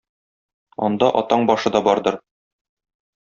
анда атаң башы да бардыр.